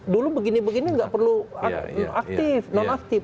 dulu begini begini nggak perlu aktif non aktif